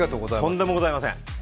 とんでもございません。